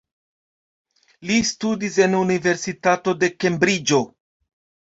Li studis en Universitato de Kembriĝo.